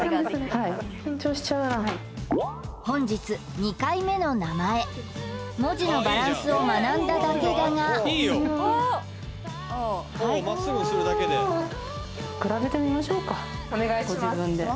はい本日２回目の名前文字のバランスを学んだだけだがお願いします